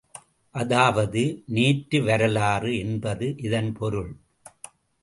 அதாவது, நேற்று வரலாறு என்பது இதன் பொருள்.